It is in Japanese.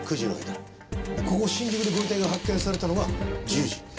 ここ新宿でご遺体が発見されたのが１０時。